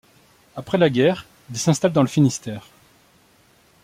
Après la guerre, il s'installe dans le Finistère.